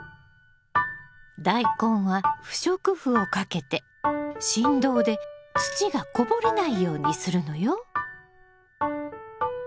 ダイコンは不織布をかけて振動で土がこぼれないようにするのよ。